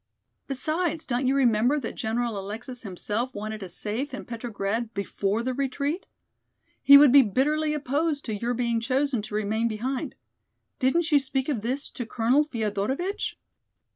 Besides, don't you remember that General Alexis himself wanted us safe in Petrograd before the retreat. He would be bitterly opposed to your being chosen to remain behind. Didn't you speak of this to Colonel Feodorovitch?"